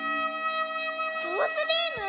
ソースビーム？